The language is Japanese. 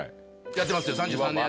やってますよ３３年。